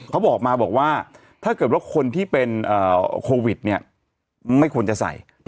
เขาบอกมาบอกว่าถ้าเกิดว่าคนที่เป็นโควิดเนี่ยไม่ควรจะใส่